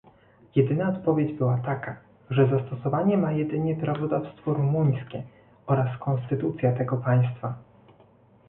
Jedyna odpowiedź była taka, że zastosowanie ma jedynie prawodawstwo rumuńskie oraz konstytucja tego państwa